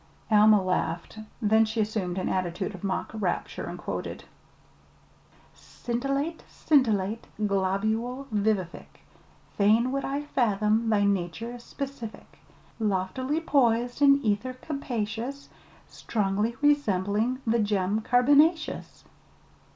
Alma laughed; then she assumed an attitude of mock rapture, and quoted: "'Scintillate, scintillate, globule vivific, Fain would I fathom thy nature specific; Loftily poised in ether capacious, Strongly resembling the gem carbonaceous.'"